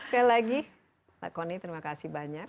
sekali lagi mak koni terima kasih banyak